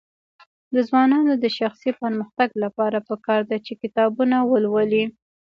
د ځوانانو د شخصي پرمختګ لپاره پکار ده چې کتابونه ولولي.